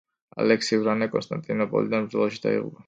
ალექსი ვრანა კონსტანტინოპოლთან ბრძოლაში დაიღუპა.